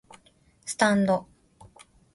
スタンド